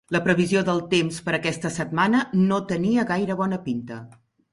La previsió del temps per a aquesta setmana no tenia gaire bona pinta.